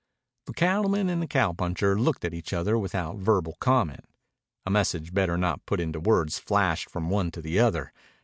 The cattleman and the cowpuncher looked at each other without verbal comment. A message better not put into words flashed from one to the other.